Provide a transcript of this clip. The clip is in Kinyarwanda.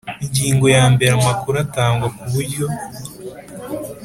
Ingingo ya mbere Amakuru atangwa ku buryo